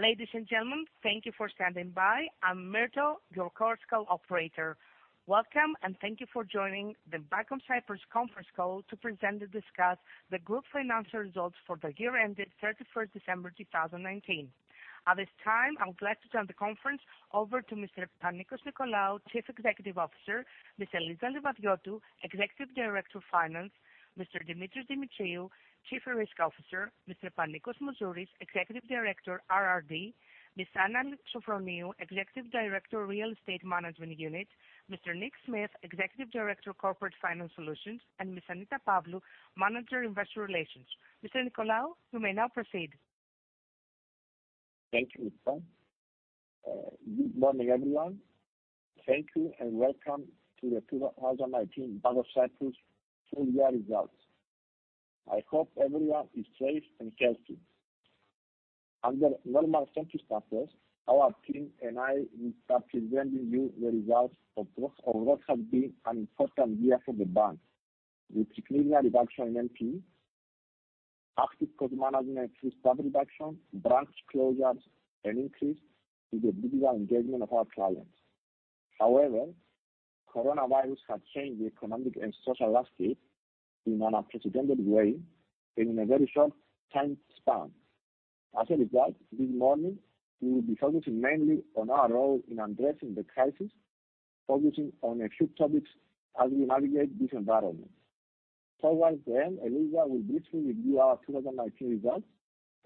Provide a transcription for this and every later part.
Ladies and gentlemen, thank you for standing by. I'm Myrtle, your Chorus Call operator. Welcome, thank you for joining the Bank of Cyprus conference call to present and discuss the group financial results for the year ending 31st December 2019. At this time, I would like to turn the conference over to Mr. Panicos Nicolaou, Chief Executive Officer, Ms. Eliza Livadiotou, Executive Director Finance, Mr. Demetris Demetriou, Chief Risk Officer, Mr. Panicos Mouzouris, Executive Director, RRD, Ms. Anna Sofroniou, Executive Director, Real Estate Management Unit, Mr. Nick Smith, Executive Director, Corporate Finance Solutions, and Ms. Annita Pavlou, Manager, Investor Relations. Mr. Nicolaou, you may now proceed. Thank you, Myrtle. Good morning, everyone. Thank you and welcome to the 2019 Bank of Cyprus full year results. I hope everyone is safe and healthy. Under normal circumstances, our team and I will start presenting you the results of what has been an important year for the bank, with significant reduction in NPE, active cost management through staff reduction, branch closures, and increase in the digital engagement of our clients. COVID-19 has changed the economic and social landscape in an unprecedented way and in a very short time span. This morning, we will be focusing mainly on our role in addressing the crisis, focusing on a few topics as we navigate this environment. Towards the end, Eliza will briefly review our 2019 results,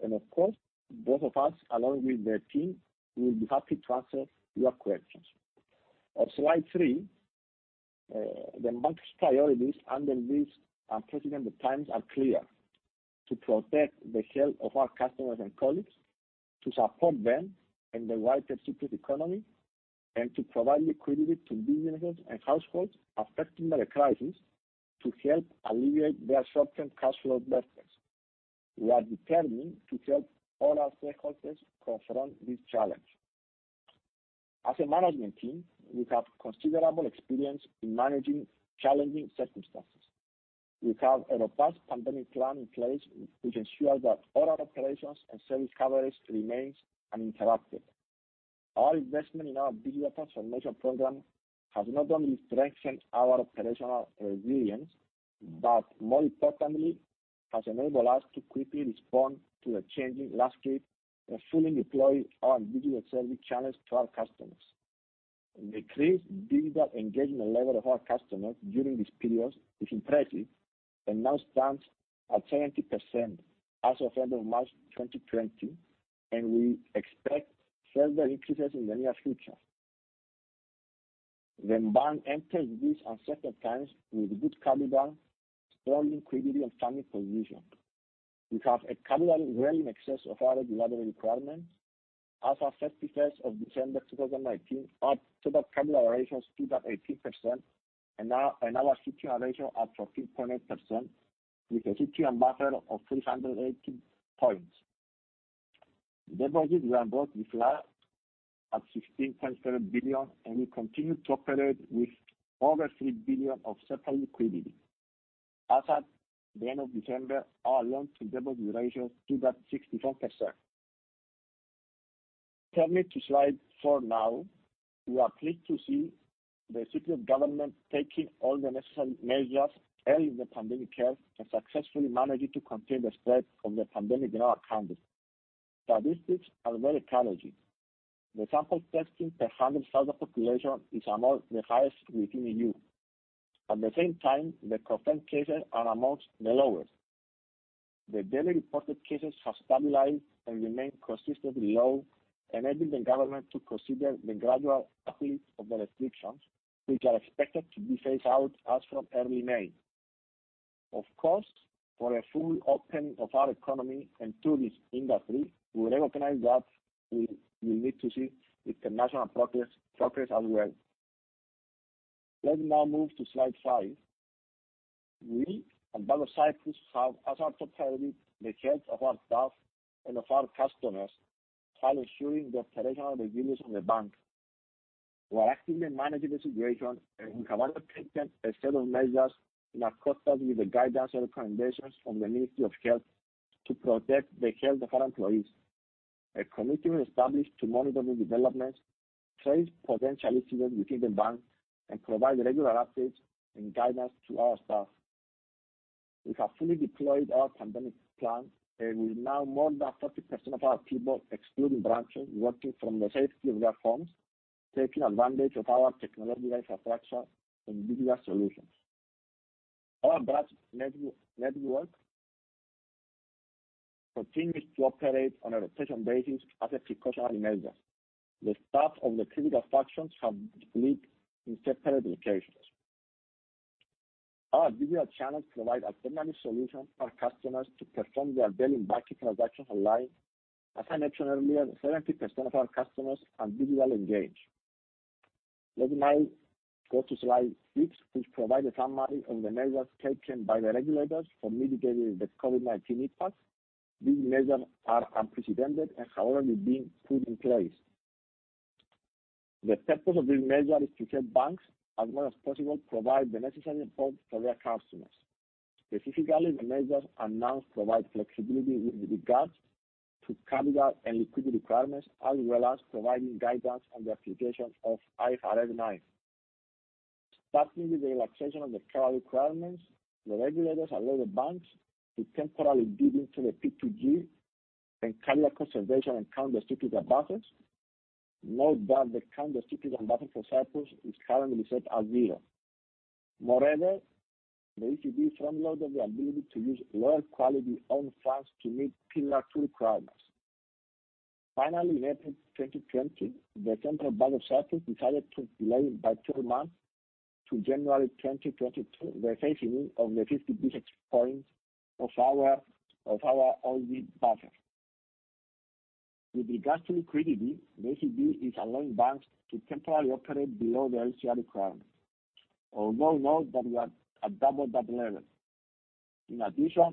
and of course, both of us, along with the team, will be happy to answer your questions. On slide three, the bank's priorities under these unprecedented times are clear: to protect the health of our customers and colleagues, to support them in the wider Cypriot economy, and to provide liquidity to businesses and households affected by the crisis to help alleviate their short-term cash flow burdens. We are determined to help all our stakeholders confront this challenge. As a management team, we have considerable experience in managing challenging circumstances. We have a robust pandemic plan in place which ensures that all our operations and service coverage remains uninterrupted. Our investment in our digital transformation program has not only strengthened our operational resilience, but more importantly, has enabled us to quickly respond to the changing landscape and fully deploy our digital service channels to our customers. The increased digital engagement level of our customers during this period is impressive and now stands at 70% as of end of March 2020. We expect further increases in the near future. The bank enters these uncertain times with good capital, strong liquidity, and funding position. We have a capital well in excess of our regulatory requirements. As at 31st of December 2019, our total capital ratio stood at 18% and our CET ratio at 14.8%, with a CET buffer of 380 points. Deposits were broadly flat at 16.7 billion, and we continued to operate with over 3 billion of surplus liquidity. As at the end of December, our loan to deposit ratio stood at 64%. Turn me to slide four now. We are pleased to see the Cypriot government taking all the necessary measures early in the pandemic curve and successfully managing to contain the spread of the pandemic in our country. Statistics are very encouraging. The sample testing per 100,000 population is amongst the highest within EU. At the same time, the confirmed cases are amongst the lowest. The daily reported cases have stabilized and remain consistently low, enabling the government to consider the gradual uplift of the restrictions, which are expected to be phased out as from early May. Of course, for a full opening of our economy and tourist industry, we recognize that we will need to see international progress as well. Let's now move to slide five. We at Bank of Cyprus have as our top priority the health of our staff and of our customers while ensuring the operational resilience of the bank. We are actively managing the situation and have undertaken a set of measures in accordance with the guidance and recommendations from the Ministry of Health to protect the health of our employees. A committee was established to monitor new developments, trace potential issues within the bank, and provide regular updates and guidance to our staff. We have fully deployed our pandemic plan, and with now more than 40% of our people, excluding branches, working from the safety of their homes, taking advantage of our technological infrastructure and digital solutions. Our branch network continues to operate on a rotation basis as a precautionary measure. The staff of the critical functions have been split in separate locations. Our digital channels provide alternative solutions for customers to perform their daily banking transactions online. As I mentioned earlier, 70% of our customers are digitally engaged. Let me now go to slide six, which provide a summary of the measures taken by the regulators for mitigating the COVID-19 impact. These measures are unprecedented and have already been put in place. The purpose of this measure is to help banks as much as possible provide the necessary support for their customers. Specifically, the measures announced provide flexibility with regards to capital and liquidity requirements, as well as providing guidance on the application of IFRS 9. Starting with the relaxation of the capital requirements, the regulators allow the banks to temporarily dip into the P2G and capital conservation and countercyclical buffers. Note that the countercyclical buffer for Cyprus is currently set at zero. Morever, the ECB front-loaded the ability to use lower-quality own funds to meet Pillar 2 requirements. In April 2020, the Central Bank of Cyprus decided to delay it by 12 months to January 2022, the phasing in of the 50 basis points of our O-SII buffer. With regards to liquidity, the ECB is allowing banks to temporarily operate below their LCR requirement. Although note that we are at double that level.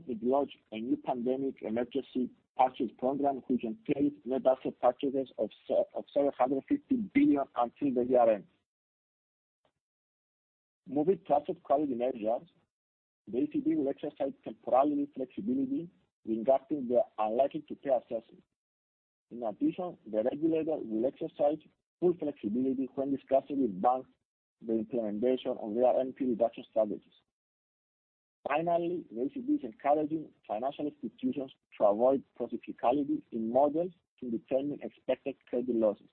It launched a new Pandemic Emergency Purchase Programme, which entails net asset purchases of 750 billion until the year-end. Moving, [inaudible] the ECB will exercise temporarily flexibility regarding their unlikely-to-pay assessments. In addition, the regulator will exercise full flexibility when discussing with banks the implementation of their NPE reduction strategies. Finally, the ECB is encouraging financial institutions to avoid procyclicality in models to determine expected credit losses.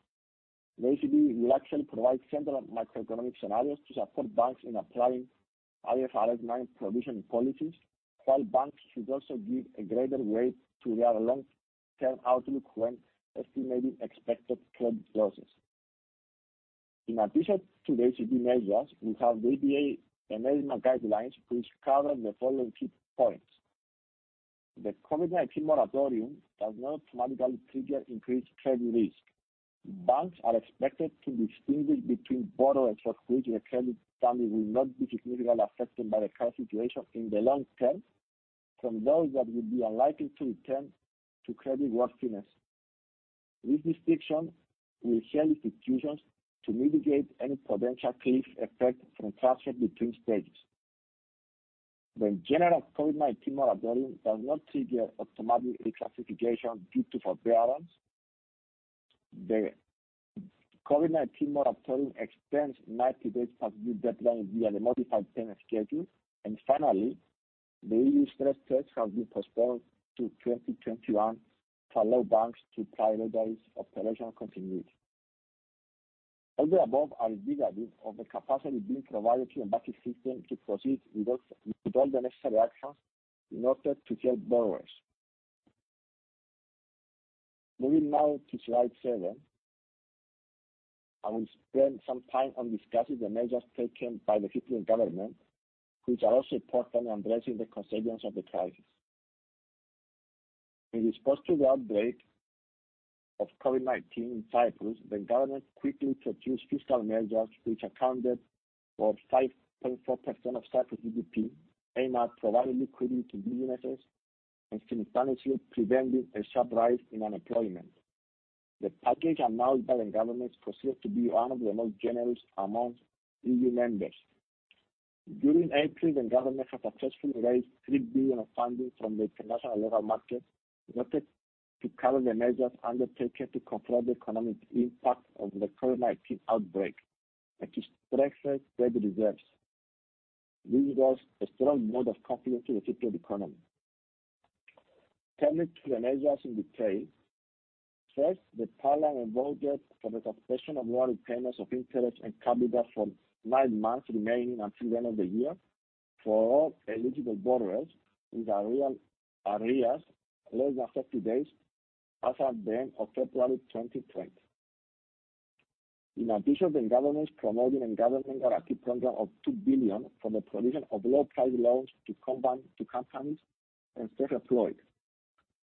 The ECB will actually provide central macroeconomic scenarios to support banks in applying IFRS 9 provisioning policies, while banks should also give a greater weight to their long-term outlook when estimating expected credit losses. In addition to the ECB measures, we have the EBA guidelines which cover the following key points. The COVID-19 moratorium does not automatically trigger increased credit risk. Banks are expected to distinguish between borrowers for which the credit standing will not be significantly affected by the current situation in the long-term from those that would be unlikely to return to creditworthiness. This distinction will help institutions to mitigate any potential cliff effect from transfer between stages. The general COVID-19 moratorium does not trigger automatic reclassification due to forbearance. The COVID-19 moratorium extends 90 days past due deadlines via the modified payment schedule. Finally, the EU stress tests have been postponed to 2021 to allow banks to prioritize operational continuity. All the above are indicative of the capacity being provided to the banking system to proceed with all the necessary actions in order to help borrowers. Moving now to slide seven, I will spend some time on discussing the measures taken by the Cypriot government, which are also important in addressing the consequences of the crisis. In response to the outbreak of COVID-19 in Cyprus, the government quickly introduced fiscal measures which accounted for 5.4% of Cyprus GDP, aimed at providing liquidity to businesses and simultaneously preventing a sharp rise in unemployment. The package announced by the government is perceived to be one of the most generous among EU members. During April, the government has successfully raised $3 billion of funding from the international local market in order to cover the measures undertaken to confront the economic impact of the COVID-19 outbreak and to strengthen credit reserves, bringing thus a strong mode of confidence to the Cypriot economy. Turning to the measures in detail. First, the parliament voted for the suspension of loan repayments of interest and capital for nine months remaining until the end of the year for all eligible borrowers with arrears less than 30 days as at the end of February 2020. In addition, the government is promoting a government guarantee program of 2 billion for the provision of low-priced loans to companies and self-employed.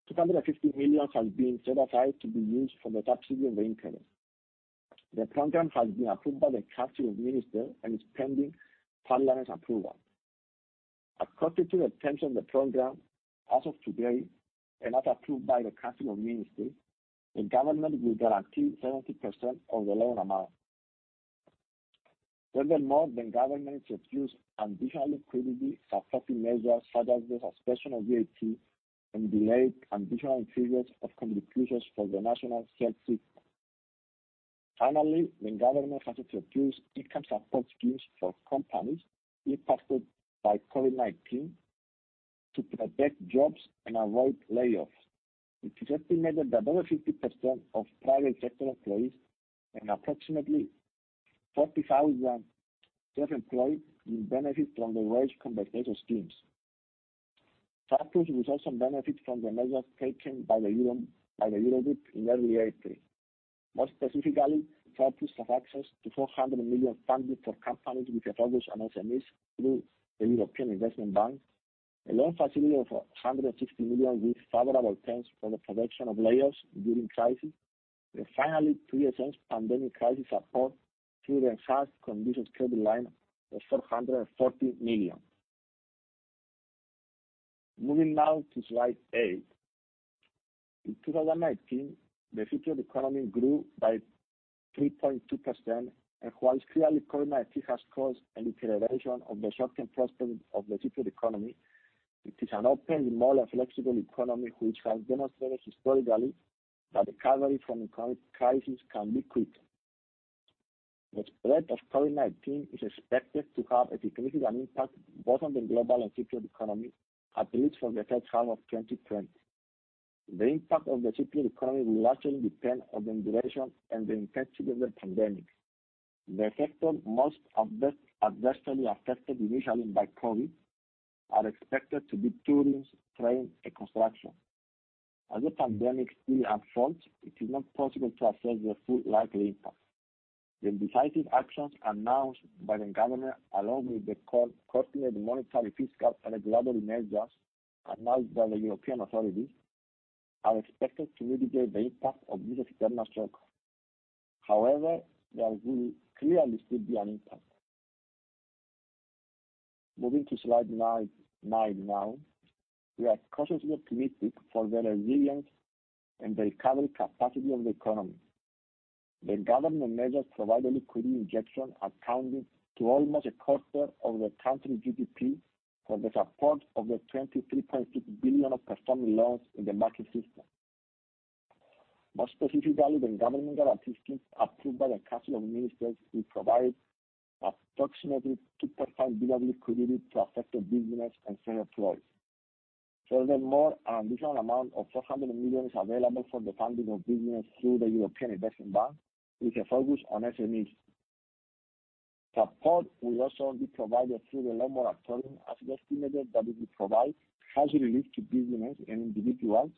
250 million has been set aside to be used for the subsidy of the interest. The program has been approved by the Council of Ministers and is pending parliament's approval. According to the terms of the program, as of today, and as approved by the Council of Ministers, the government will guarantee 70% of the loan amount. Furthermore, the government introduced additional liquidity-supporting measures such as the suspension of VAT and delayed additional triggers of contributions for the [General Healthcare System]. Finally, the government has introduced income support schemes for companies impacted by COVID-19 to protect jobs and avoid layoffs. It is estimated that over 50% of private sector employees and approximately 40,000 self-employed will benefit from the wage compensation schemes. Cyprus will also benefit from the measures taken by the Eurogroup in early April. More specifically, Cyprus has access to 400 million funding for companies with a focus on SMEs through the European Investment Bank, a loan facility of 150 million with favorable terms for the protection of layoffs during crises, and finally, three years pandemic crisis support through enhanced condition credit line of EUR 440 million. Moving now to slide eight. In 2019, the Cypriot economy grew by 3.2%. Whilst clearly COVID-19 has caused a deterioration of the short-term prospects of the Cypriot economy, it is an open, more flexible economy, which has demonstrated historically that recovery from economic crises can be quick. The spread of COVID-19 is expected to have a significant impact both on the global and Cypriot economy, at least for the third half of 2020. The impact on the Cypriot economy will largely depend on the duration and the intensity of the pandemic. The sectors most adversely affected initially by COVID-19 are expected to be tourism, trade, and construction. As the pandemic is still unfold, it is not possible to assess the full likely impact. The decisive actions announced by the government along with the coordinated monetary, fiscal, and regulatory measures announced by the European authorities are expected to mitigate the impact of this external shock. However, there will clearly still be an impact. Moving to slide nine now. We are cautiously optimistic for the resilience and the recovery capacity of the economy. The government measures provide a liquidity injection accounting to almost a quarter of the country GDP for the support of the 23.2 billion of performing loans in the banking system. More specifically, the government guarantees approved by the Council of Ministers will provide approximately 2.5 billion liquidity to affected business and self-employed. Furthermore, an additional amount of 400 million is available for the funding of business through the European Investment Bank, with a focus on SMEs. Support will also be provided through the loan moratorium as it estimated that it will provide cash relief to business and individuals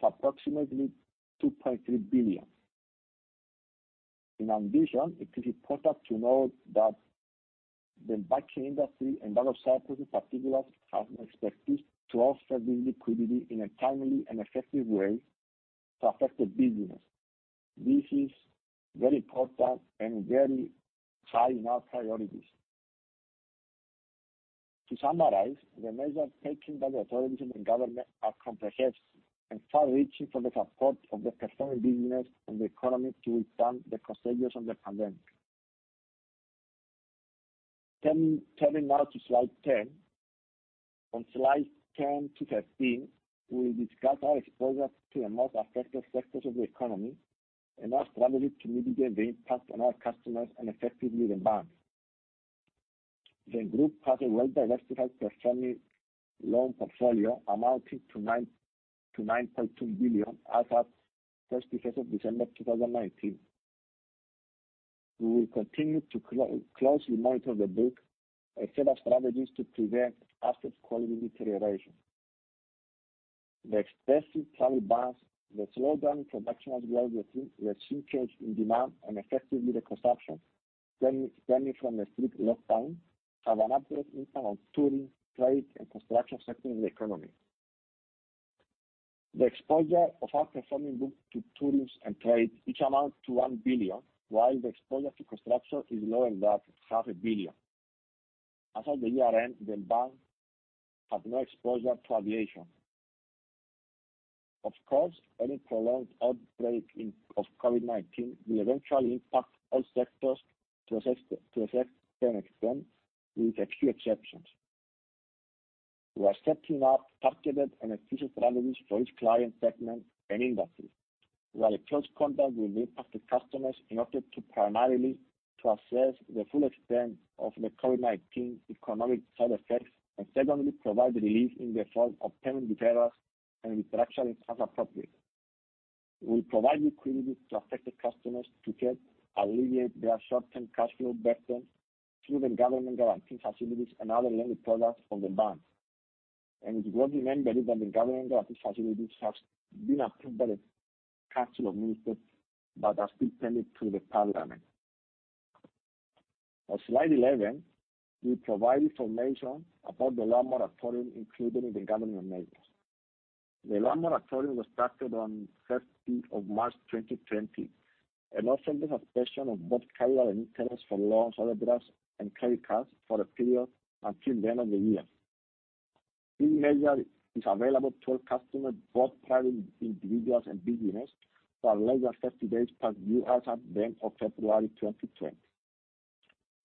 of approximately 2.3 billion. In addition, it is important to note that the banking industry and that of Cyprus, in particular, has an expertise to offer this liquidity in a timely and effective way to affected business. This is very important and very high in our priorities. To summarize, the measures taken by the authorities and the government are comprehensive and far-reaching for the support of the performing business and the economy to withstand the consequences of the pandemic. Turning now to slide 10. On slides 10 to 13, we will discuss our exposure to the most affected sectors of the economy and our strategy to mitigate the impact on our customers and effectively the bank. The group has a well-diversified performing loan portfolio amounting to 9.2 billion as at 31st of December 2019. We will continue to closely monitor the book, a set of strategies to prevent asset quality deterioration. The extensive travel bans, the slowdown in production, as well as the regime change in demand and effectively the consumption stemming from the strict lockdown have an adverse impact on tourism, trade, and construction sector in the economy. The exposure of our performing group to tourism and trade each amount to 1 billion, while the exposure to construction is lower than that, $500 million. As of the year-end, the bank had no exposure to aviation. Of course, any prolonged outbreak of COVID-19 will eventually impact all sectors to some extent, with a few exceptions. We are setting up targeted and efficient strategies for each client segment and industry. We are in close contact with the impacted customers in order to primarily to assess the full extent of the COVID-19 economic side effects, and secondly, provide relief in the form of payment deferrals and restructuring as appropriate. We provide liquidity to affected customers to help alleviate their short-term cash flow burden through the government guarantee facilities and other lending products from the bank. It's worth remembering that the government guarantee facilities have been approved by the Council of Ministers, but are still pending through the Parliament. On slide 11, we provide information about the loan moratorium included in the government measures. The loan moratorium was started on 30 of March 2020, and offers the suspension of both capital and interest for loans, overdrafts, and credit cards for a period until the end of the year. This measure is available to all customers, both private individuals and business, who have less than 30 days past due as at the end of February 2020.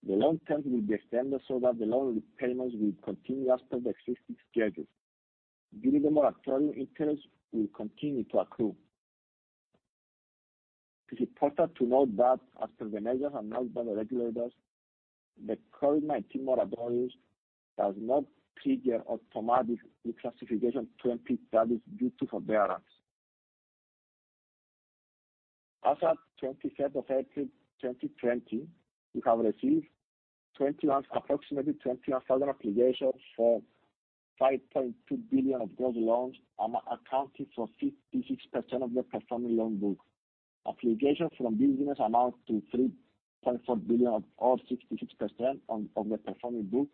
The loan terms will be extended so that the loan repayments will continue as per the existing schedule. During the moratorium, interest will continue to accrue. It is important to note that as per the measures announced by the regulators, the COVID-19 moratorium does not trigger automatic reclassification to NPE status due to forbearance. As at 23rd of April 2020, we have received approximately 21,000 applications for 5.2 billion of gross loans accounting for 56% of the performing loan book. Applications from businesses amount to 3.4 billion or 66% of the performing book,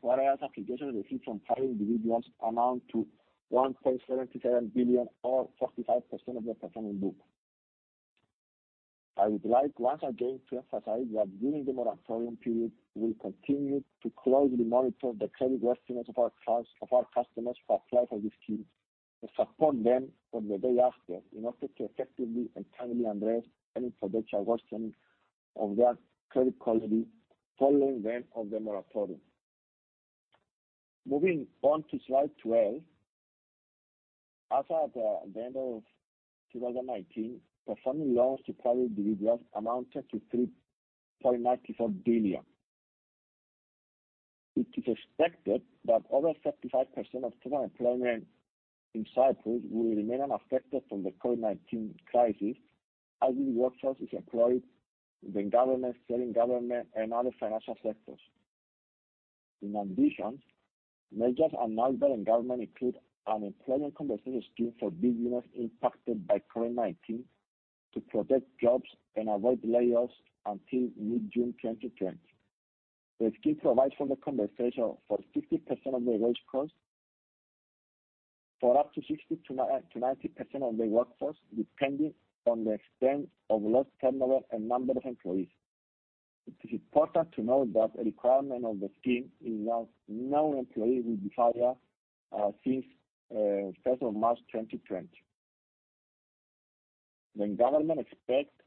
whereas applications received from private individuals amount to 1.77 billion or 45% of the performing book. I would like once again to emphasize that during the moratorium period, we will continue to closely monitor the creditworthiness of our customers who apply for this scheme, and support them from the day after in order to effectively and timely address any potential worsening of their credit quality following the end of the moratorium. Moving on to slide 12. As at the end of 2019, performing loans to private individuals amounted to 3.94 billion. It is expected that over 35% of total employment in Cyprus will remain unaffected from the COVID-19 crisis, as this workforce is employed in government, semi-government, and other financial sectors. In addition, measures announced by the government include an employment compensation scheme for businesses impacted by COVID-19 to protect jobs and avoid layoffs until mid-June 2020. The scheme provides for the compensation for 50% of the wage cost for up to 60%-90% of the workforce, depending on the extent of lost turnover and number of employees. It is important to note that a requirement of the scheme is that no employee will be fired since 1st of March 2020. The government expects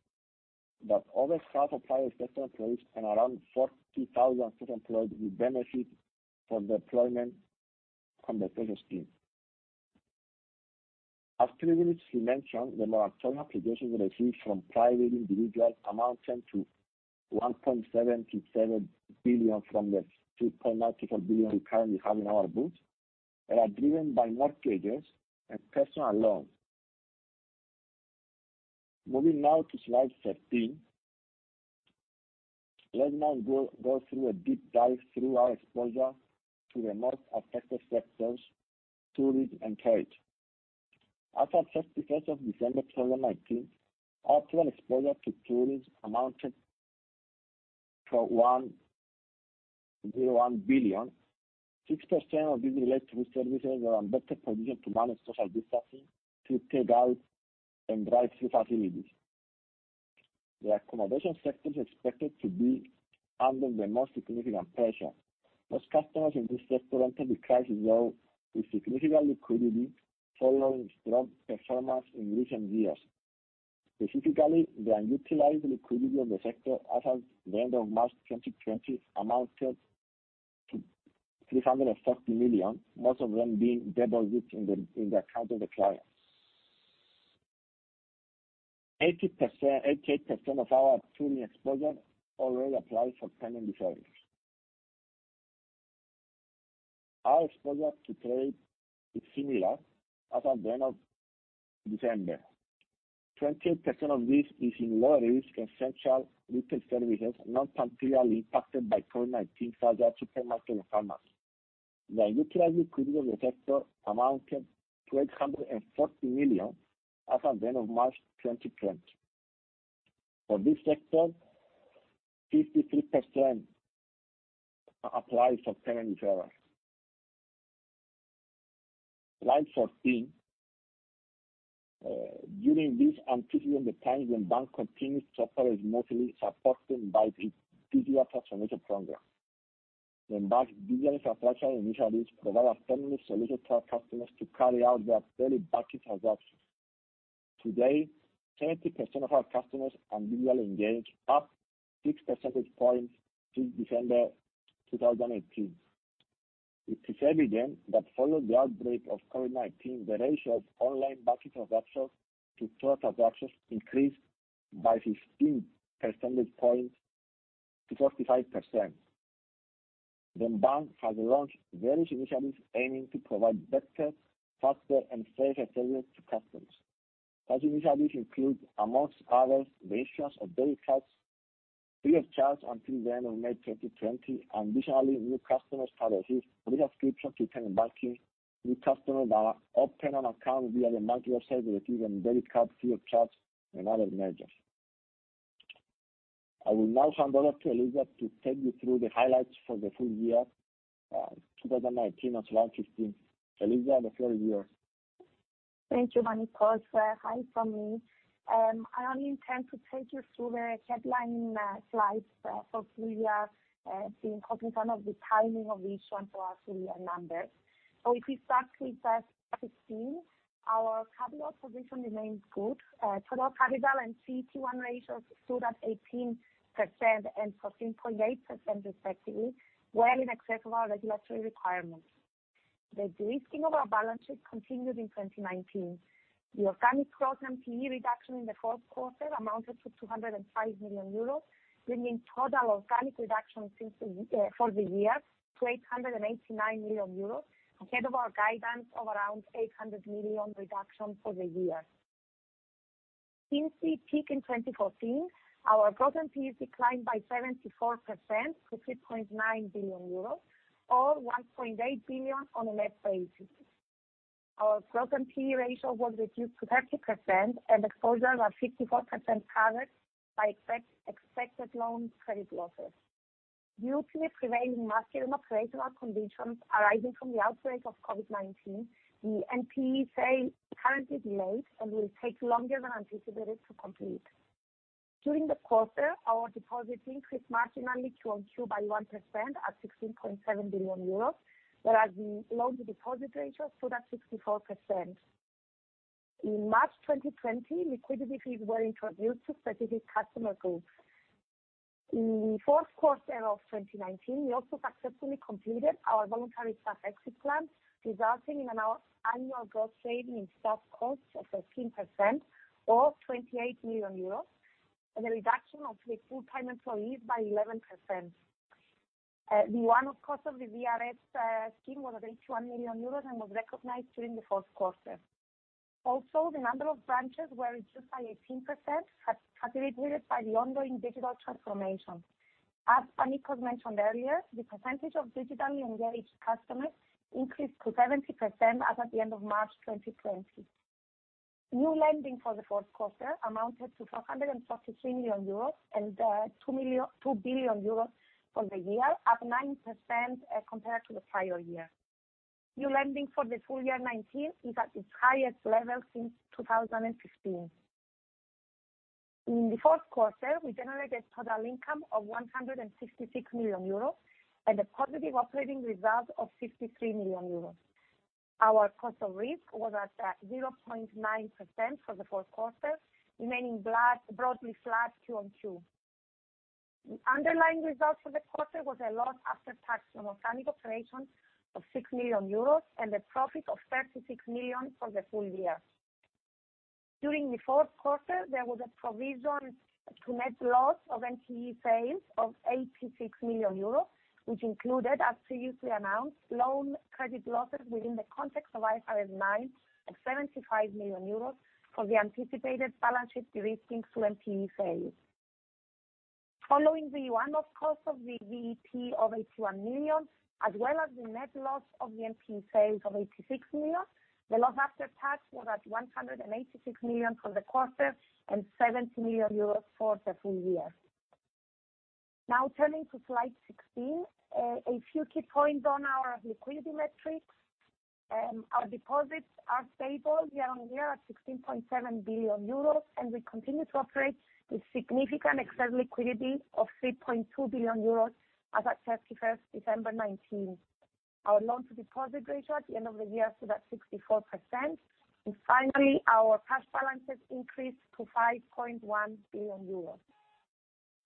that over 5,000 private sector employees and around 40,000 total employees will benefit from the employment compensation scheme. As previously mentioned, the moratorium applications received from private individuals amounted to 1.77 billion from the 3.94 billion we currently have in our books that are driven by mortgages and personal loans. Moving now to slide 13. Let us now go through a deep dive through our exposure to the most affected sectors, tourism and trade. As at 31st of December 2019, our total exposure to tourism amounted to 1.01 billion. 6% of this relates to food services that are in better position to manage social distancing through takeouts and drive-through facilities. The accommodation sector is expected to be under the most significant pressure. Most customers in this sector entered the crisis though, with significant liquidity following strong performance in recent years. Specifically, the unutilized liquidity of the sector as at the end of March 2020 amounted to 340 million, most of them being deposits in the account of the client. 88% of our tourism exposure already applied for payment deferral. Our exposure to trade is similar as at the end of December. 28% of this is in lower-risk, essential retail services not materially impacted by COVID-19, such as supermarkets and pharmacies. The unutilized liquidity of the sector amounted to 840 million as at the end of March 2020. For this sector, 53% applied for payment deferral. Slide 14. During this unprecedented time, the Bank continued to operate smoothly, supported by its digital transformation program. The Bank's digital infrastructure initiatives provide a timely solution to our customers to carry out their daily banking transactions. Today, 70% of our customers are digitally engaged, up six percentage points since December 2018. It is evident that following the outbreak of COVID-19, the ratio of online banking transactions to total transactions increased by 15 percentage points to 45%. The Bank has launched various initiatives aiming to provide better, faster, and safer service to customers. Such initiatives include, amongst others, the issuance of debit cards free of charge until the end of May 2020. Additionally, new customers can receive a free subscription to internet banking. New customers that open an account via the Bank website receive a debit card free of charge and other measures. I will now hand over to Eliza to take you through the highlights for the full year 2019 on slide 15. Eliza, the floor is yours. Thank you, Panicos. Hi from me. I only intend to take you through the headline slides for full year, in compliment of the timing of the issuance of our full year numbers. If we start with slide 15, our capital position remains good. Total capital and CET1 ratios stood at 18% and 14.8% respectively, well in excess of our regulatory requirements. The de-risking of our balance sheet continued in 2019. The organic gross NPE reduction in the fourth quarter amounted to 205 million euros, bringing total organic reduction for the year to 889 million euros, ahead of our guidance of around 800 million reduction for the year. Since we peaked in 2014, our gross NPEs declined by 74% to 3.9 billion euros or 1.8 billion on a net basis. Our gross NPE ratio was reduced to 30%, and exposures are 54% covered by expected loan credit losses. Due to the prevailing market and operational conditions arising from the outbreak of COVID-19, the NPE sale is currently delayed and will take longer than anticipated to complete. During the quarter, our deposits increased marginally Q-on-Q by 1% at 16.7 billion euros, whereas the loan-to-deposit ratio stood at 64%. In March 2020, liquidity fees were introduced to strategic customer groups. In the fourth quarter of 2019, we also successfully completed our voluntary staff exit plan, resulting in an annual gross saving in staff costs of 13% or 28 million euros, and the reduction of the full-time employees by 11%. The one-off cost of the VRS scheme was at 81 million euros and was recognized during the fourth quarter. Also, the number of branches were reduced by 18%, facilitated by the ongoing digital transformation. As Panicos mentioned earlier, the percentage of digitally engaged customers increased to 70% as at the end of March 2020. New lending for the fourth quarter amounted to 443 million euros and 2 billion euros for the year, up 9% as compared to the prior year. New lending for the full year 2019 is at its highest level since 2016. In the fourth quarter, we generated total income of 166 million euros and a positive operating reserve of 53 million euros. Our cost of risk was at 0.9% for the fourth quarter, remaining broadly flat Q-on-Q. The underlying results for the quarter was a loss after tax from organic operations of 6 million euros and a profit of 36 million for the full year. During the fourth quarter, there was a provision to net loss of NPE sales of 86 million euros, which included, as previously announced, loan credit losses within the context of IFRS 9 at 75 million euros for the anticipated balance sheet de-risking through NPE sales. Following the one-off cost of the VEP of 81 million, as well as the net loss of the NPE sales of 86 million, the loss after tax was at 186 million for the quarter and 70 million euros for the full year. Now turning to slide 16, a few key points on our liquidity metrics. Our deposits are stable year-on-year at 16.7 billion euros, and we continue to operate with significant excess liquidity of 3.2 billion euros as at 31st December 2019. Our loan-to-deposit ratio at the end of the year stood at 64%. Finally, our cash balances increased to 5.1 billion euros.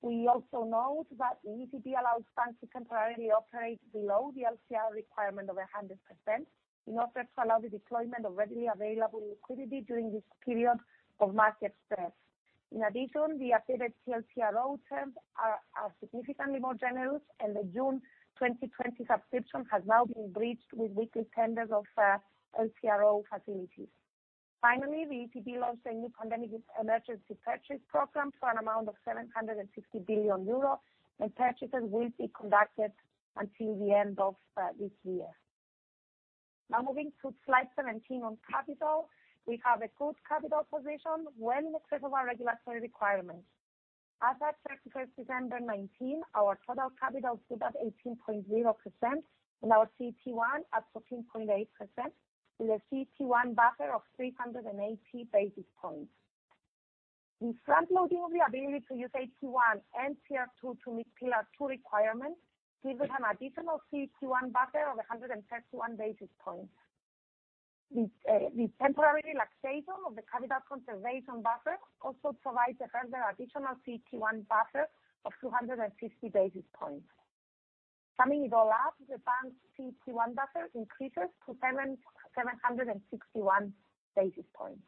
We also note that the ECB allows banks to temporarily operate below the LCR requirement of 100% in order to allow the deployment of readily available liquidity during this period of market stress. In addition, the updated TLTRO terms are significantly more generous, and the June 2020 subscription has now been breached with weekly tenders of TLTRO facilities. Finally, the ECB launched a new Pandemic Emergency Purchase Programme for an amount of 750 billion euro, and purchases will be conducted until the end of this year. Now moving to slide 17 on capital. We have a good capital position well in excess of our regulatory requirements. As at 31st December 2019, our total capital stood at 18.0% and our CET1 at 14.8% with a CET1 buffer of 380 basis points. The front-loading of the ability to use AT1 and Tier 2 to meet Pillar 2 requirements gives us an additional CET1 buffer of 131 basis points. The temporary relaxation of the capital conservation buffer also provides a further additional CET1 buffer of 250 basis points. Summing it all up, the bank's CET1 buffer increases to 761 basis points.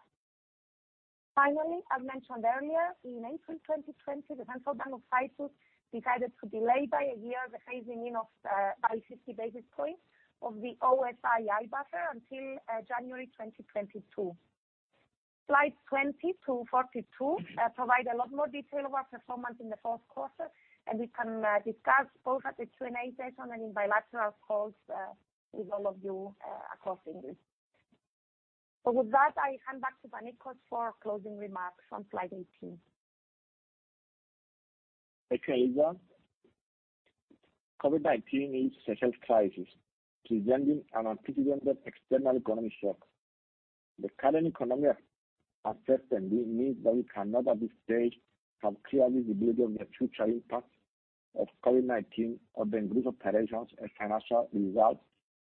Finally, as mentioned earlier, in April 2020, the Central Bank of Cyprus decided to delay by a year the phasing in of by 50 basis points of the O-SII buffer until January 2022. Slides 20 to 42 provide a lot more detail of our performance in the fourth quarter, and we can discuss both at the Q&A session and in bilateral calls with all of you across English. With that, I hand back to Panicos for closing remarks on slide 18. Thank you, Eliza. COVID-19 is a health crisis presenting an unprecedented external economic shock. The current economic uncertainty means that we cannot at this stage have clear visibility of the future impact of COVID-19 on the group's operations and financial results,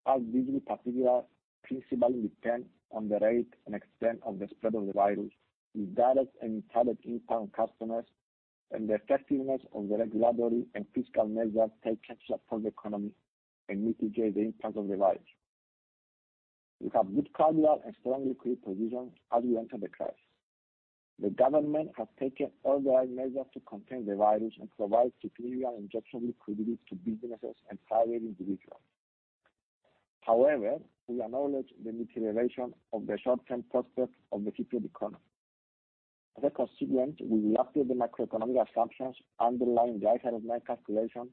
as these particulars principally depend on the rate and extent of the spread of the virus, the direct and indirect impact on customers, and the effectiveness of the regulatory and fiscal measures taken to support the economy and mitigate the impact of the virus. We have good capital and strong liquidity position as we enter the crisis. The government has taken all the right measures to contain the virus and provide significant injection liquidity to businesses and private individuals. However, we acknowledge the deterioration of the short-term prospects of the Cypriot economy. We will update the macroeconomic assumptions underlying the IFRS 9 calculation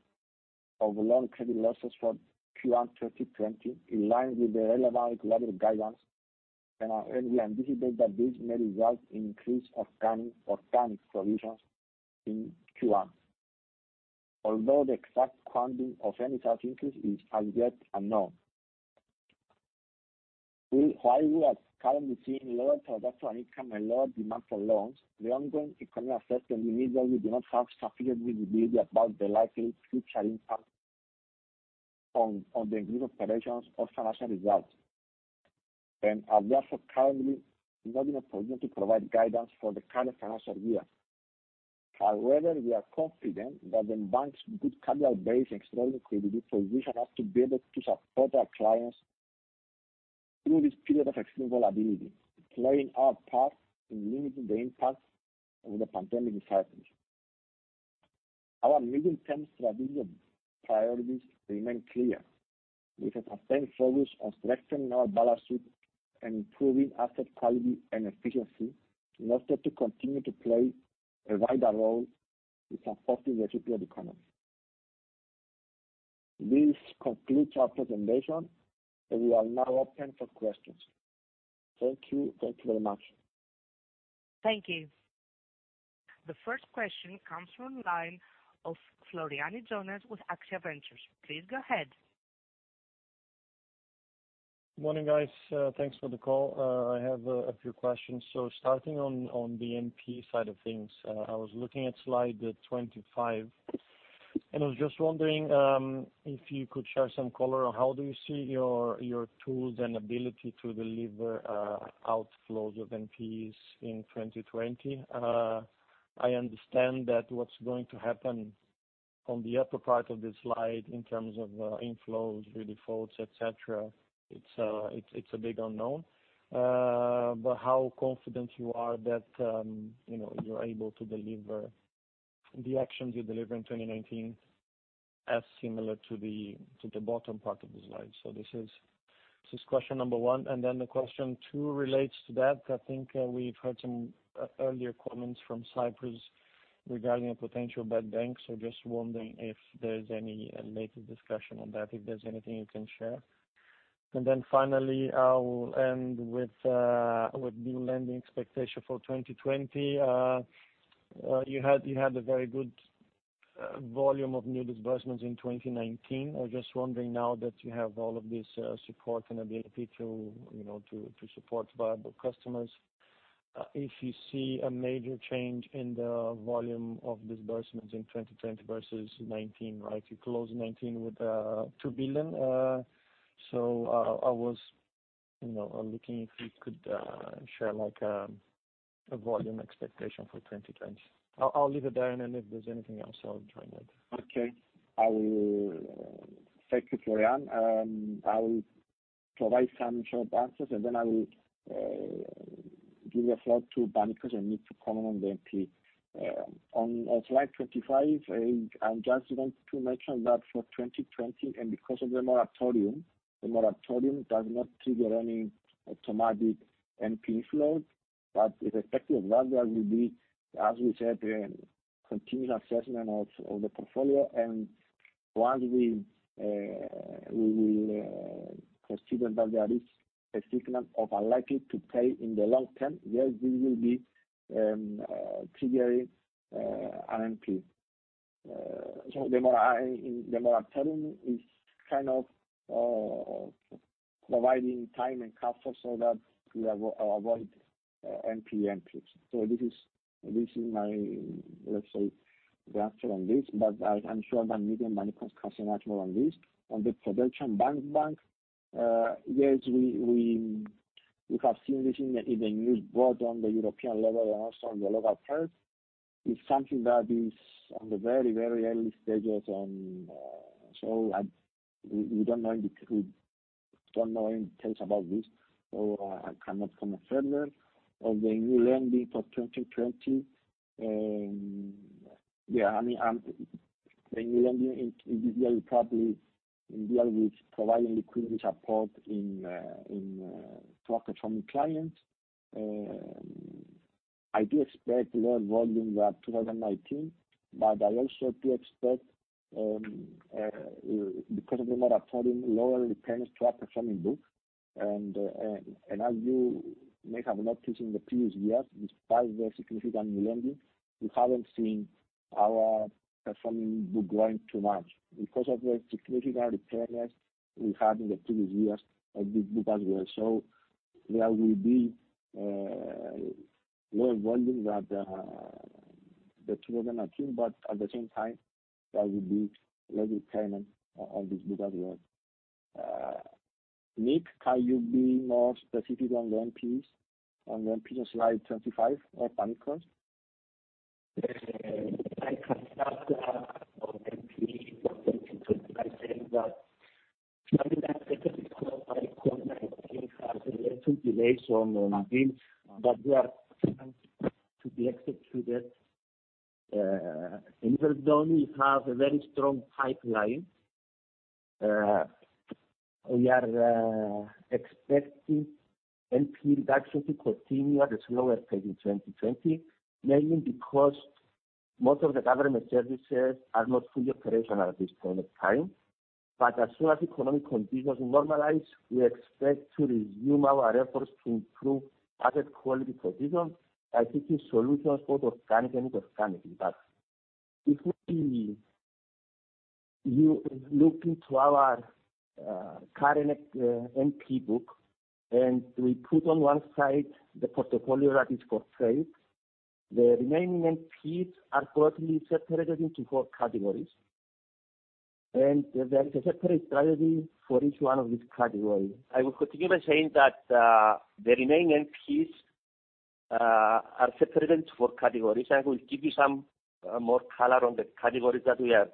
of loan credit losses for Q1 2020 in line with the relevant regulatory guidance. We anticipate that this may result in increased organic provisions in Q1. The exact quantum of any such increase is as yet unknown. We are currently seeing lower transactional income and lower demand for loans, the ongoing economic effects mean that we do not have sufficient visibility about the likely future impact on the group's operations or financial results. We are therefore currently not in a position to provide guidance for the current financial year. We are confident that the Bank's good capital base and strong liquidity position us to be able to support our clients through this period of extreme volatility, playing our part in limiting the impact of the pandemic in Cyprus. Our medium-term strategic priorities remain clear, with a sustained focus on strengthening our balance sheet and improving asset quality and efficiency in order to continue to play a vital role in supporting the Cypriot economy. This concludes our presentation, and we are now open for questions. Thank you very much. Thank you. The first question comes from the line of Floriani Jonas with AXIA Ventures. Please go ahead. Morning, guys. Thanks for the call. I have a few questions. Starting on the NPE side of things, I was looking at slide 25, I was just wondering if you could share some color on how do you see your tools and ability to deliver outflows of NPEs in 2020? I understand that what's going to happen on the upper part of the slide in terms of inflows, defaults, et cetera, it's a big unknown. How confident you are that you're able to deliver the actions you delivered in 2019 as similar to the bottom part of the slide? This is question number one, the question two relates to that. I think we've heard some earlier comments from Cyprus regarding a potential bad bank. Just wondering if there's any latest discussion on that, if there's anything you can share. Finally, I will end with new lending expectation for 2020. You had a very good volume of new disbursements in 2019. I was just wondering now that you have all of this support and ability to support viable customers, if you see a major change in the volume of disbursements in 2020 versus 2019, right? You closed 2019 with 2 billion. I was looking if you could share a volume expectation for 2020. I'll leave it there, and then if there's anything else, I'll join that. Okay. Thank you, Floriani. I will provide some short answers, and then I will give the floor to Panicos and Nick to comment on the NP. On slide 25, I just want to mention that for 2020, and because of the moratorium, the moratorium does not trigger any automatic NPE inflows, but its effective value will be, as we said, a continual assessment of the portfolio. Once we will consider that there is a signal of unlikely to pay in the long-term, yes, this will be triggering an NP. The moratorium is kind of providing time and cover so that we avoid NPE entries. This is my, let's say, the answer on this, but I'm sure that Nick and Panicos can say much more on this. On the potential bad bank, yes, we have seen this in the news, both on the European level and also on the local press. It's something that is on the very early stages, we don't know any details about this, I cannot comment further. On the new lending for 2020, the new lending in this year will probably deal with providing liquidity support to our performing clients. I do expect lower volumes than 2019, I also do expect, because of the moratorium, lower repayments to our performing book. As you may have noticed in the previous years, despite the significant new lending, we haven't seen our performing book growing too much. Because of the significant repayments we had in the previous years of this book as well. There will be lower volumes than the 2019, but at the same time, there will be low repayments on this book as well. Nick, can you be more specific on the NPs on slide 25, or Panicos? Yes. I can start on NPE for 2020 by saying that delays on the deals that were planned to be executed. In Third Zone, we have a very strong pipeline. We are expecting NPE reduction to continue at a slower pace in 2020, mainly because most of the government services are not fully operational at this point in time. As soon as economic conditions normalize, we expect to resume our efforts to improve asset quality position by seeking solutions both organic and inorganically. If we look into our current NPE book and we put on one side the portfolio that is for sale, the remaining NPEs are broadly separated into four categories. There is a separate strategy for each one of these categories. I will continue by saying that the remaining NPEs are separated into four categories, and I will give you some more color on the categories that we are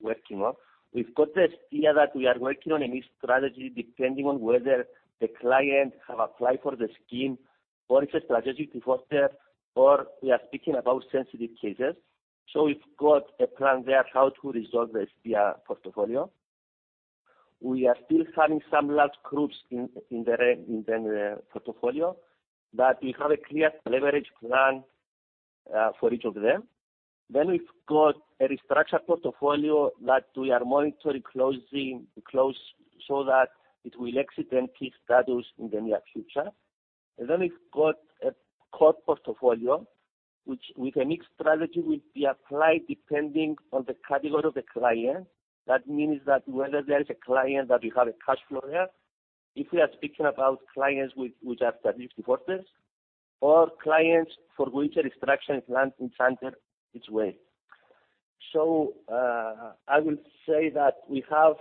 working on. We've got the [NPE] that we are working on, a new strategy, depending on whether the client have applied for the scheme or it's a strategic defaulter or we are speaking about sensitive cases. We've got a plan there how to resolve the [NPE] portfolio. We are still having some large groups in the portfolio, but we have a clear leverage plan for each of them. We've got a restructured portfolio that we are monitoring close so that it will exit NPE status in the near future. We've got a core portfolio, which with a mixed strategy will be applied depending on the category of the client. That means that whether there is a client that we have a cash flow with, if we are speaking about clients which are strategic defaulters or clients for which a restructuring plan is under its way. I will say that we have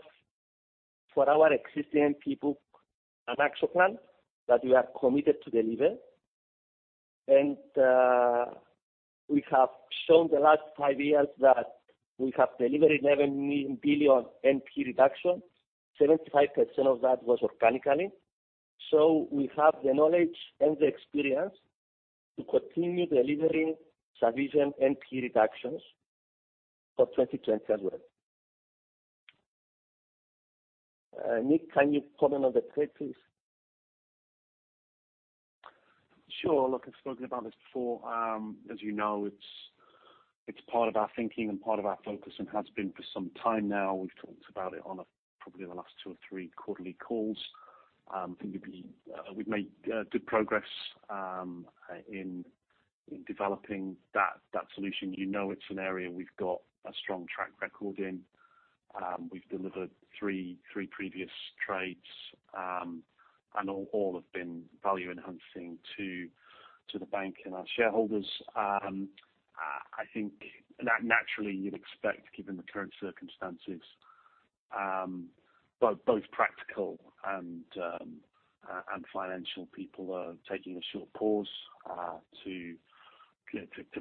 for our existing NPE book an action plan that we are committed to deliver. We have shown the last five years that we have delivered 11 billion NPE reduction, 75% of that was organically. We have the knowledge and the experience to continue delivering sufficient NPE reductions for 2020 as well. Nick, can you comment on the trade, please? Sure. Look, I've spoken about this before. As you know, it's part of our thinking and part of our focus and has been for some time now. We've talked about it on probably the last two or three quarterly calls. I think we've made good progress in developing that solution. You know it's an area we've got a strong track record in. We've delivered three previous trades, and all have been value-enhancing to the bank and our shareholders. I think that naturally you'd expect, given the current circumstances, both practical and financial people are taking a short pause, to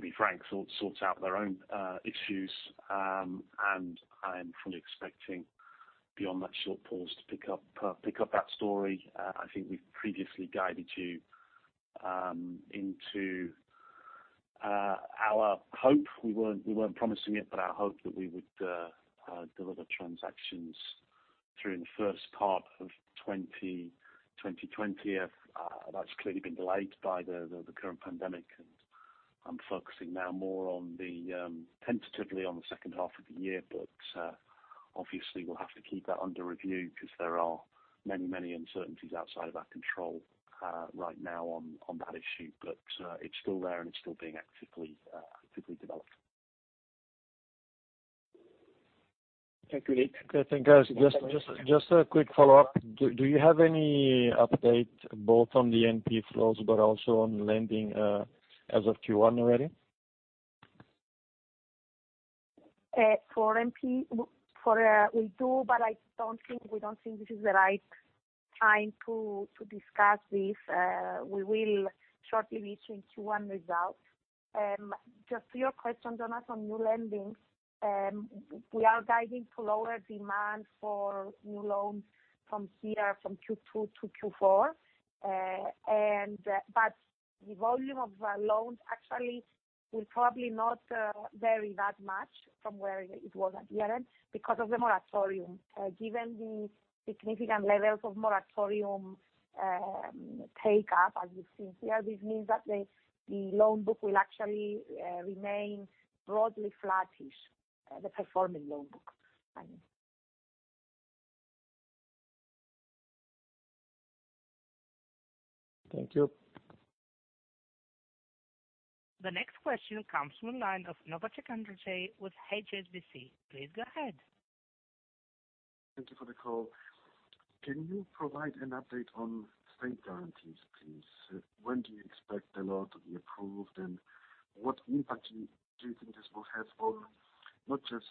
be frank, sort out their own issues. I'm fully expecting beyond that short pause to pick up that story. I think we've previously guided you into our hope. We weren't promising it, but our hope that we would deliver transactions during the first part of 2020. That's clearly been delayed by the current pandemic, and I'm focusing now more tentatively on the second half of the year. Obviously, we'll have to keep that under review because there are many, many uncertainties outside of our control right now on that issue. It's still there, and it's still being actively developed. Thank you, Nick. Okay, thank you guys. Just a quick follow-up. Do you have any update both on the NPE flows but also on lending as of Q1 already? For NPE, we do. We don't think this is the right time to discuss this. We will shortly reach in Q1 results. Just to your question, Jonas, on new lendings, we are guiding lower demand for new loans from here, from Q2 to Q4. The volume of loans actually will probably not vary that much from where it was at year-end because of the moratorium. Given the significant levels of moratorium take-up, as we've seen here, this means that the loan book will actually remain broadly flattish, the performing loan book, I mean. Thank you. The next question comes from the line of [Novak Djokandzic] with HSBC. Please go ahead. Thank you for the call. Can you provide an update on state guarantees, please? When do you expect the law to be approved, and what impact do you think this will have on not just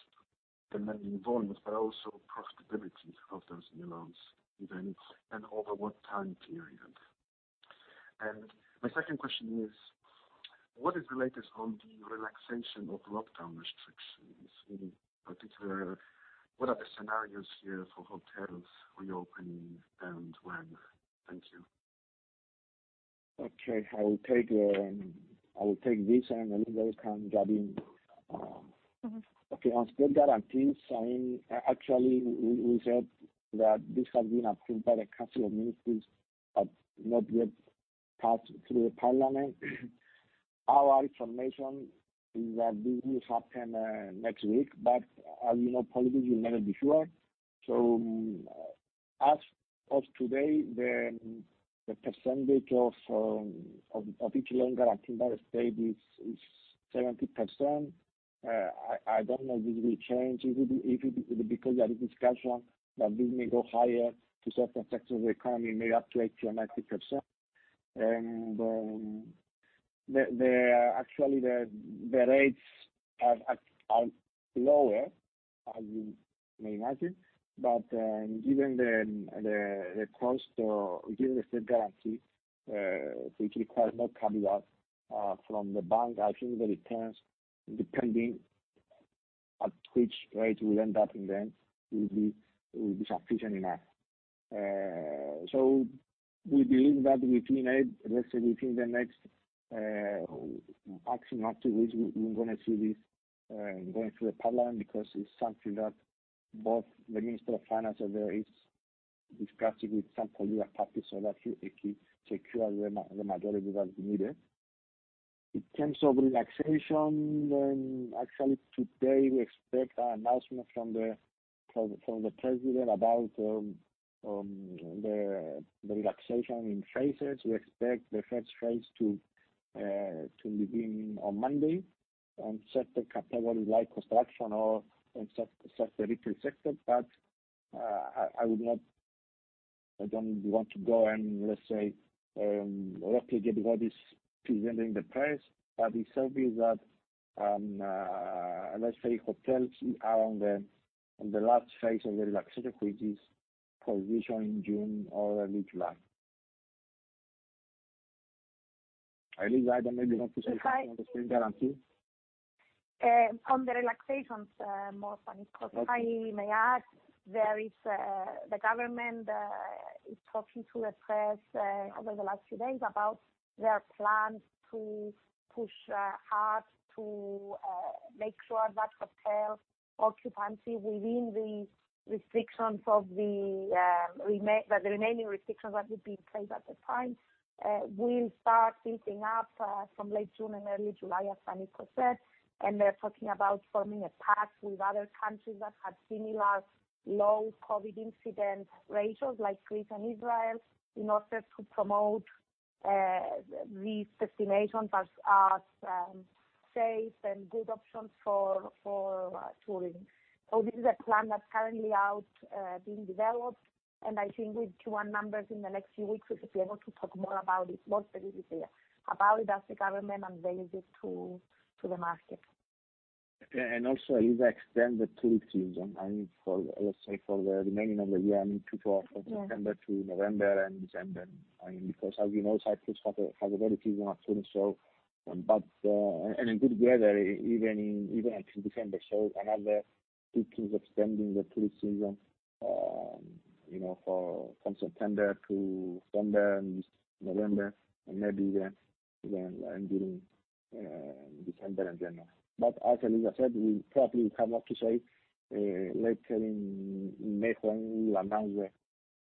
the lending volumes, but also profitability of those new loans even, and over what time period? My second question is, what is the latest on the relaxation of lockdown restrictions? In particular, what are the scenarios here for hotels reopening and when? Thank you. Okay, I will take this and Eliza can jump in. On state guarantees, actually, we said that this has been approved by the Council of Ministers, but not yet passed through the parliament. Our information is that this will happen next week, but as you know, politics will never be sure. As of today, the percentage of each loan guaranteed by the state is 70%. I don't know if this will change, because there is discussion that this may go higher to certain sectors of the economy, maybe up to 80% or 90%. Actually, the rates are lower, as you may imagine. Given the cost or given the state guarantee, so it requires more capital from the bank. I think the returns, depending on which rate we end up in the end, will be sufficient enough. We believe that within the next action or two weeks, we're going to see this going through the parliament, because it's something that both the Minister of Finance over there is discussing with some political parties so that he secures the majority that is needed. In terms of relaxation, actually today we expect an announcement from the president about the relaxation in phases. We expect the first phase to begin on Monday on certain categories like construction or certain retail sectors. I don't want to go and, let's say, replicate what is presented in the press. It's obvious that, let's say, hotels are on the last phase of the relaxation, which is positioned in June or early July. Eliza, you maybe want to say something on the state guarantee? On the relaxations more, Panicos. Okay. If I may add, the government is talking to the press over the last few days about their plans to push hard to make sure that hotel occupancy, within the remaining restrictions that will be in place at the time, will start picking up from late June and early July, as Panicos said. They're talking about forming a pact with other countries that have similar low COVID incident ratios like Greece and Israel, in order to promote these destinations as safe and good options for touring. This is a plan that's currently out being developed, and I think with Q1 numbers in the next few weeks, we will be able to talk more about it, once it is clear about it as the government unveils it to the market. Also, Eliza, extend the tourist season, let's say for the remaining of the year, from September to November and December. As we know, Cyprus has a very seasonal tourist, and a good weather even until December, another thinking of extending the tourist season from September to November, and maybe then ending December and January. As Eliza said, we probably come up to, say, later in May, when we will announce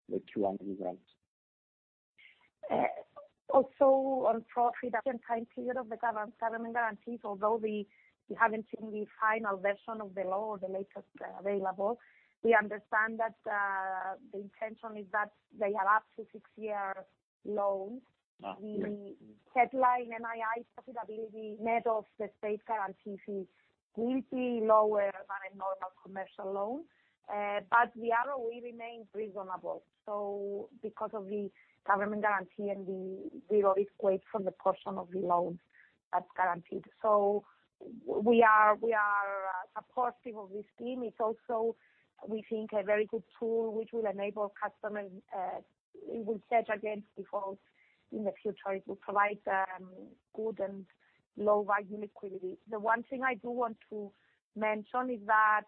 the Q1 results. Also on profitability and time period of the government guarantees, although we haven't seen the final version of the law or the latest available, we understand that the intention is that they have up to six-year loans. The headline NII profitability net of the state guarantee fees will be lower than a normal commercial loan, but the ROE remains reasonable. Because of the government guarantee and the zero risk weight from the portion of the loans that's guaranteed. We are supportive of this scheme. It's also, we think, a very good tool which will enable customers It will hedge against defaults in the future. It will provide good and low-value liquidity. The one thing I do want to mention is that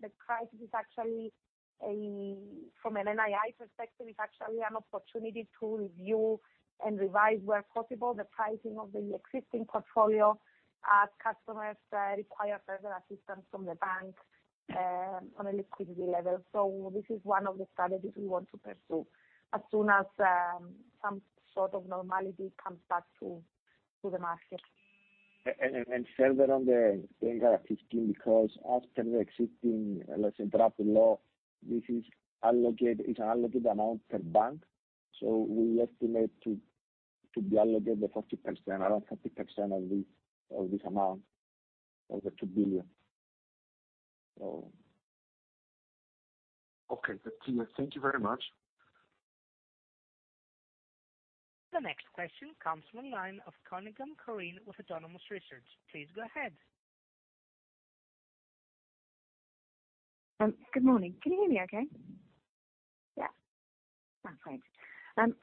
the crisis is actually, from an NII perspective, is actually an opportunity to review and revise, where possible, the pricing of the existing portfolio as customers require further assistance from the bank on a liquidity level. This is one of the strategies we want to pursue as soon as some sort of normality comes back to the market. Further on the state guarantee scheme, because after the existing draft law, it's an allocated amount per Bank of Cyprus, so we estimate to be allocated around 30% of this amount of the 2 billion. Okay. Thank you very much. The next question comes from the line of Cunningham Corinne with Autonomous Research. Please go ahead. Good morning. Can you hear me okay? Yeah. Perfect.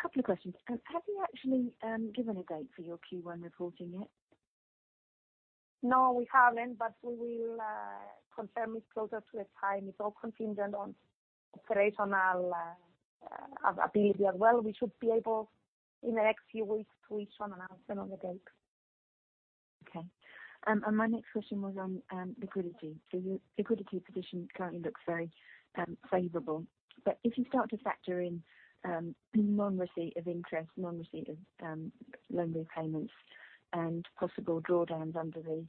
Couple of questions. Have you actually given a date for your Q1 reporting yet? No, we haven't. We will confirm it closer to the time. It's all contingent on operational ability as well. We should be able, in the next few weeks, to issue an announcement on the date. Okay. My next question was on liquidity. Your liquidity position currently looks very favorable, but if you start to factor in non-receipt of interest, non-receipt of loan repayments, and possible drawdowns under the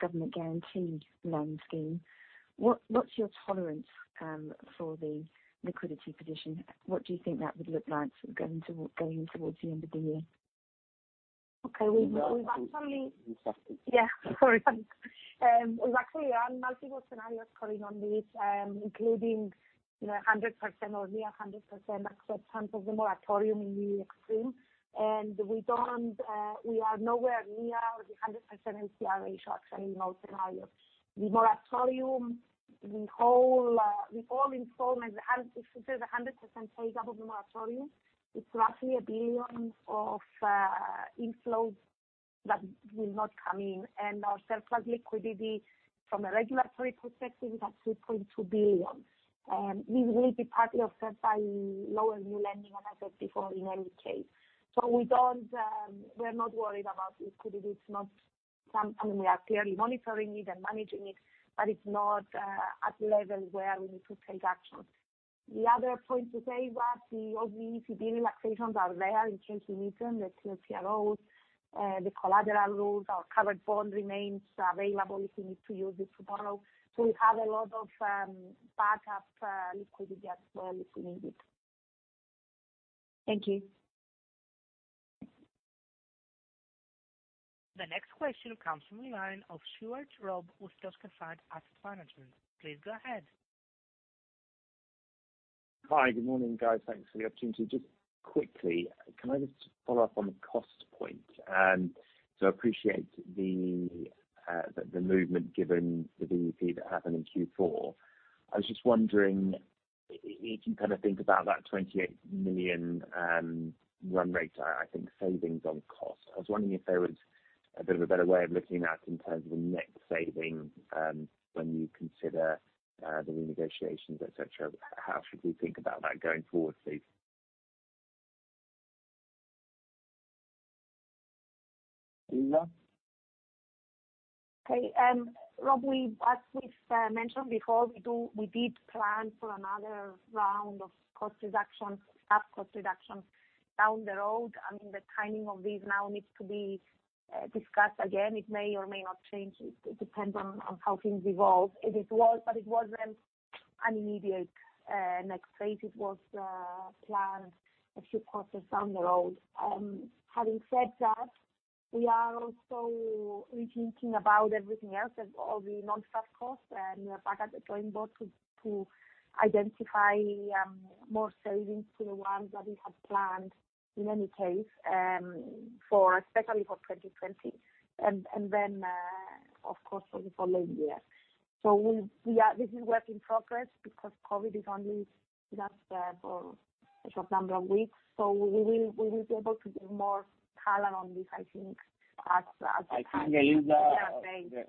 government-guaranteed loan scheme, what's your tolerance for the liquidity position? What do you think that would look like going towards the end of the year? Okay. We've actually- Eliza? Yeah. Sorry. We've actually run multiple scenarios covering on this, including 100% or near 100% acceptance of the moratorium in the extreme, we are nowhere near the 100% MCR ratio actually in our scenario. The moratorium, with all installments, if this is 100% payable moratorium, it's roughly 1 billion of inflows that will not come in, our surplus liquidity from a regulatory perspective is at 3.2 billion. This will be partly offset by lower new lending, as I said before, in any case. We're not worried about liquidity. We are clearly monitoring it and managing it's not at levels where we need to take action. The other point to say that all the ECB relaxations are there in case we need them, the TLTROs, the collateral rules, our covered bond remains available if we need to use it to borrow. We have a lot of backup liquidity as well if we need it. Thank you. The next question comes from the line of [Stuart Robb] with Tusker Fund Asset Management. Please go ahead. Hi, good morning, guys. Thanks for the opportunity. Just quickly, can I just follow up on the cost point? I appreciate the movement given the VEP that happened in Q4. I was just wondering if you think about that 28 million run rate, I think, savings on cost. I was wondering if there was a bit of a better way of looking at in terms of the net saving when you consider the renegotiations, et cetera. How should we think about that going forward, please? Eliza? Okay. [Robb], as we've mentioned before, we did plan for another round of staff cost reductions down the road. The timing of this now needs to be discussed again. It may or may not change. It depends on how things evolve. It wasn't an immediate next phase. It was planned a few quarters down the road. Having said that, we are also rethinking about everything else, all the non-staff costs, and we are back at the drawing board to identify more savings to the ones that we have planned in any case, especially for 2020, and then, of course, for the following year. This is work in progress because COVID is only just for a short number of weeks. We will be able to give more color on this, I think, as time goes by.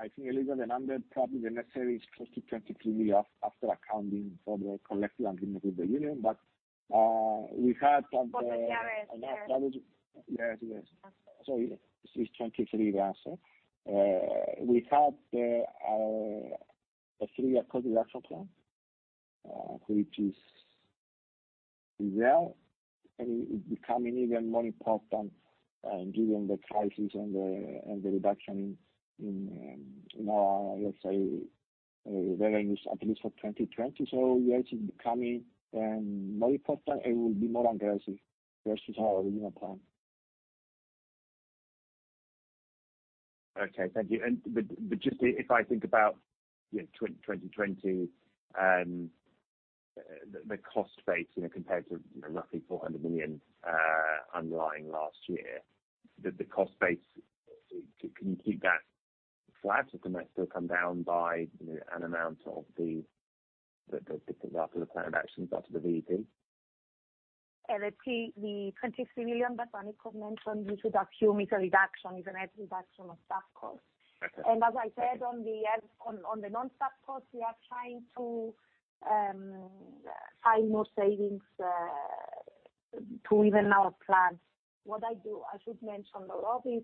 I think, Eliza, the number probably necessary is close to 23 million after accounting for the collective agreement with the union. For the RS, yes. Yes. This is EUR 23 million, sir. We had our three-year cost reduction plan, which is there, and it's becoming even more important given the crisis and the reduction in, let's say, revenues at least for 2020. Yes, it's becoming more important, and we'll be more aggressive versus our original plan. Okay, thank you. Just if I think about 2020, the cost base compared to roughly 400 million underlying last year, can you keep that flat? Or can that still come down by an amount as part of the plan of actions after the VEP? The EUR 23 million that Panicos mentioned, we should assume it's a net reduction of staff costs. As I said, on the non-staff costs, we are trying to find more savings to even our plan. What I should mention, [Robb], is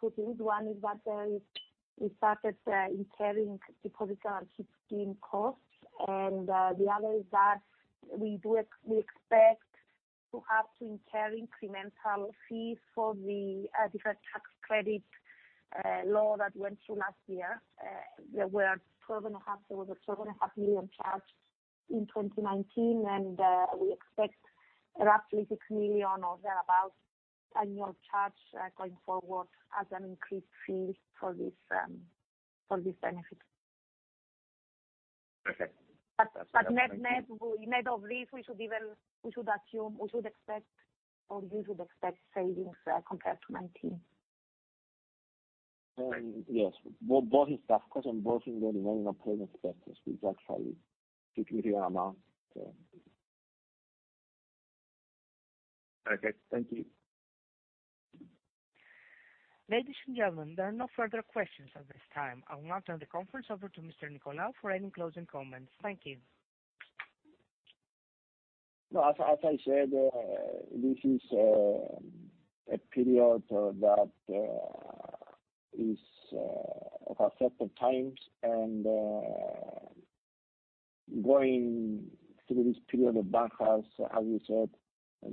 two things. One is that we started incurring Deposit Guarantee Scheme costs, and the other is that we expect to have to incur incremental fees for the different tax credit law that went through last year. There was a 12.5 million charge in 2019, and we expect roughly 6 million or thereabouts annual charge going forward as an increased fee for this benefit. Net of this, we should assume or you should expect savings compared to 2019. Right. Yes. Both in staff cost and both in the remaining operating expenses, which actually is a significant amount. Okay, thank you. Ladies and gentlemen, there are no further questions at this time. I will now turn the conference over to Mr. Nicolaou for any closing comments. Thank you. As I said, this is a period that is of uncertain times, and going through this period, the bank has, as we said,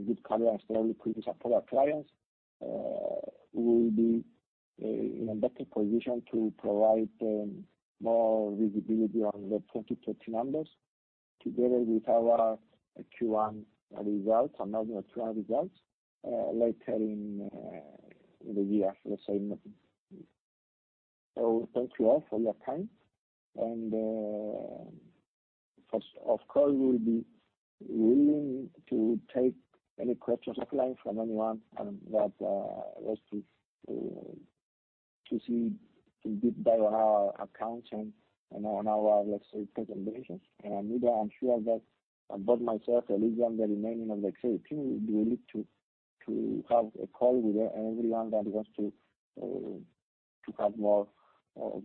good coverage, and we will continue to support our clients. We will be in a better position to provide more visibility on the 2020 numbers together with our announcements of our Q1 results later in the year, let's say. Thank you all for your time. Of course, we will be willing to take any questions offline from anyone that wants to see in deep dive on our accounts and on our presentation. Neither I'm sure that both myself, Eliza, and the remaining of the team will be willing to have a call with everyone that wants to have more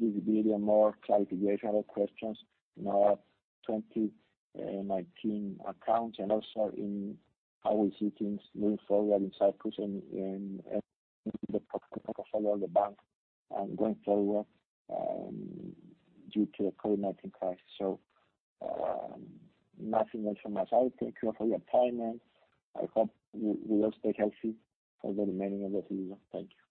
visibility or more clarification or questions on our 2019 accounts and also in how we see things moving forward in Cyprus and in the particular portfolio of the Bank going forward due to the COVID-19 crisis. Nothing else from us. I thank you all for your time, and I hope you will stay healthy for the remaining of the year. Thank you.